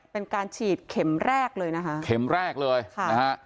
เป็นการฉีดเข็มแรกเลยนะคะเข็มแรกเลยค่ะนะฮะ